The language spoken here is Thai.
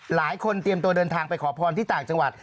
เตรียมตัวเดินทางไปขอพรที่ต่างจังหวัด